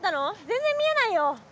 全然見えないよ。